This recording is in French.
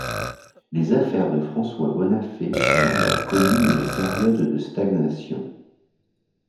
Les affaires de François Bonnaffé ont alors connu une période de stagnation.